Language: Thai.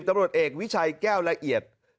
ตำรวจเอกวิชัยแก้วละเอียด